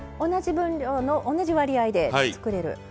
同じ分量の同じ割合で作れる。